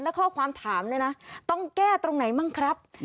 และข้อความถามเนี่ยนะต้องแก้ตรงไหนบ้างครับ